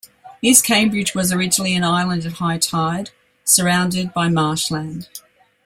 East Cambridge was originally an island at high tide, surrounded by marshland.